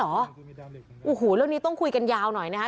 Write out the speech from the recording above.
โอ้โหเรื่องนี้ต้องคุยกันยาวหน่อยนะคะ